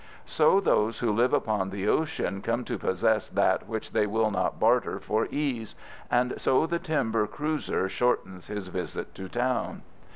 So those who live upon the ocean come to possess that which they will not barter for ease, and so the timber cruiser shortens his visit to town.